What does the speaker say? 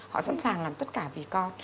họ sẵn sàng làm tất cả vì con